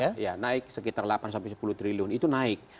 ya naik sekitar delapan sampai sepuluh triliun itu naik